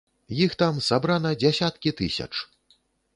Іх там сабрана дзясяткі тысяч.